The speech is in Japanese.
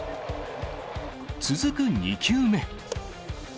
続く２球目。